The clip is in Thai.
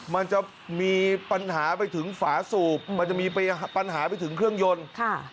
มันจะมีปัญหาไปถึงฝาสูบมันจะมีปัญหาไปถึงเครื่องยนต์ค่ะ